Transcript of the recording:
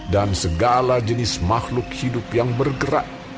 dan segala jenis makhluk hidup yang bergerak